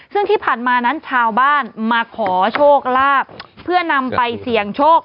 ซึ่งที่ผ่านมานั้นชาวบ้านมาขอโชคลาภเพื่อนำไปเสี่ยงโชค